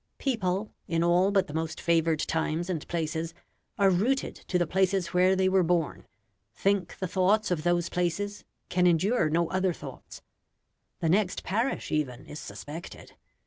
People, in all but the most favoured times and places, are rooted to the places where they were born, think the thoughts of those places, can endure no other thoughts. The next parish even is suspected.